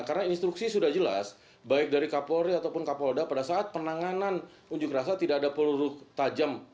karena instruksi sudah jelas baik dari kapolri ataupun kapolda pada saat penanganan unjuk rasa tidak ada peluru tajam